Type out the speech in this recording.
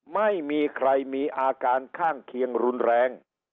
ไม่มีใครมีอาการข้างเคียงรุนแรง